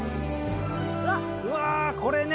うわこれね！